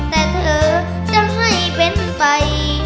แต่เธอจะให้เป็นไป